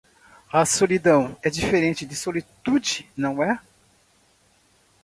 Solidão é diferente de solitude, não é?